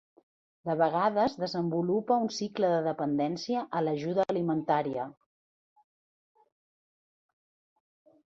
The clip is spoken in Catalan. De vegades desenvolupe un cicle de dependència a l'ajuda alimentària.